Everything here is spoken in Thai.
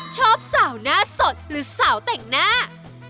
ชอบสาวหน้าสดหรือสาวแต่งหน้า